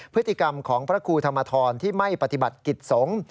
พฤติกรรมของพระครูธรรมธรที่ไม่ปฏิบัติกิจสงฆ์